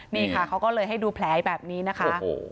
นี่ค่ะเขาก็เลยให้ดูแผลแบบนี้นะคะ